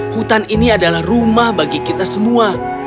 hutan ini adalah rumah bagi kita semua